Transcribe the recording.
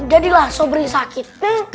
jadilah sobri sakit